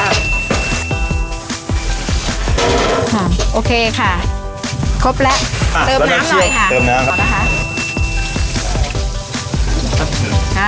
ค่ะโอเคค่ะครบแล้วเติมน้ำหน่อยค่ะเติมน้ำครับนะคะ